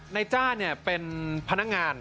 ในจราเนี้ยเป็นพนักงาน